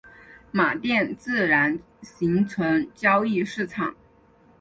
马甸自然形成交易市场。